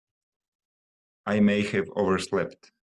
I may have overslept.